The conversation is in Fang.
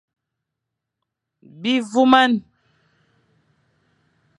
Bi voumane.